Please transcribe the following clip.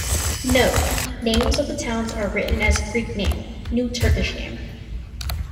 Note: Names of the towns are written as Greek name, new Turkish name.